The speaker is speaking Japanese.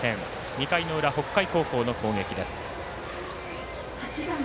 ２回の裏、北海高校の攻撃です。